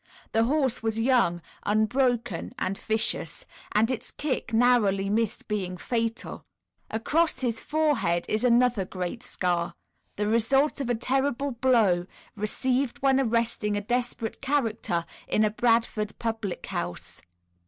The horse was young, unbroken and vicious, and its kick narrowly missed being fatal. Across his forehead is another great scar, the result of a terrible blow received when arresting a desperate character in a Bradford public house.